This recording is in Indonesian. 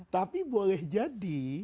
tapi boleh jadi